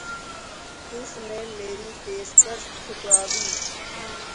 اس نے میری پیشکش ٹھکرا دی۔